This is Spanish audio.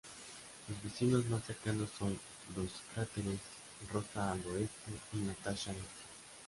Sus vecinos más cercanos son los cráteres Rosa al oeste y Natasha al este.